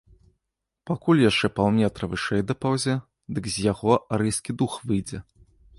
Пакуль яшчэ паўметра вышэй дапаўзе, дык з яго арыйскі дух выйдзе.